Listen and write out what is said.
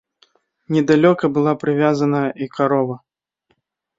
Недалёка была прывязаная і карова.